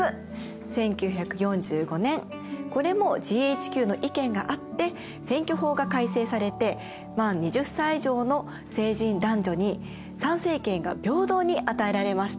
１９４５年これもＧＨＱの意見があって選挙法が改正されて満２０歳以上の成人男女に参政権が平等に与えられました。